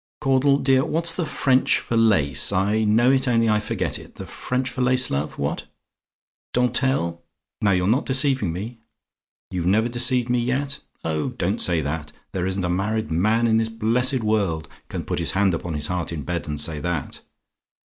Caudle, dear, what's the French for lace? I know it, only I forget it. The French for lace, love? What? "DENTELLE? "Now, you're not deceiving me? "YOU NEVER DECEIVED ME YET? "Oh! don't say that. There isn't a married man in this blessed world can put his hand upon his heart in bed and say that.